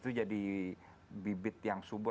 itu jadi bibit yang subur